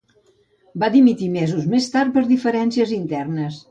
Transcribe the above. Va dimitir mesos més tard per diferències internes.